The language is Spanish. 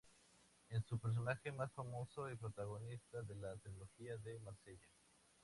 Es su personaje más famoso y protagonista de la trilogía de Marsella.